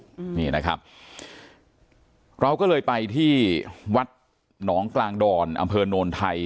อืมนี่นะครับเราก็เลยไปที่วัดหนองกลางดอนอำเภอโนนไทย